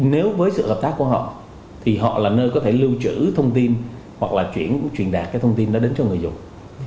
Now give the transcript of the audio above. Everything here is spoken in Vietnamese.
nếu với sự hợp tác của họ thì họ là nơi có thể lưu trữ thông tin hoặc là chuyển đạt cái thông tin đó đến cho người dùng